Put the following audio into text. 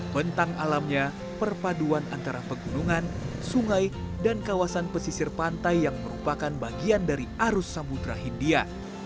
bentang alamnya perpaduan antara pegunungan sungai dan kawasan pesisir pantai yang merupakan bagian dari arus samudera hindia